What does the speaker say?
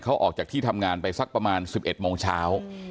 เขาออกจากที่ทำงานไปสักประมาณ๑๑โมงเช้า